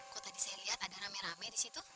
kalau tadi saya lihat ada rame rame di situ